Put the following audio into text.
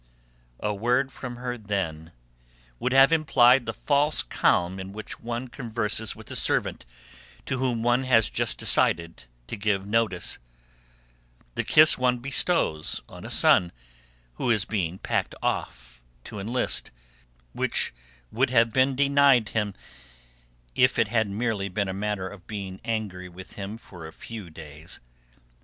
A word from her then would have implied the false calm in which one converses with a servant to whom one has just decided to give notice; the kiss one bestows on a son who is being packed off to enlist, which would have been denied him if it had merely been a matter of being angry with him for a few days.